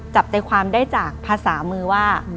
จับใจความได้จากภาษามือว่า